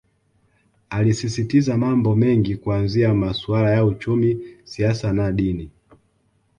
Alisisitiza mambo mengi kuanzia masuala ya uchumi siasa na dini